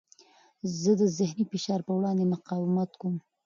زه د ذهني فشار په وړاندې مقاومت کوم.